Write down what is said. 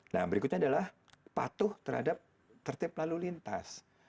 nah berikutnya adalah patuh terhadap tertib lalu lintas